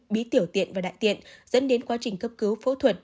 bí tiểu tiện và đại tiện dẫn đến quá trình cấp cứu phẫu thuật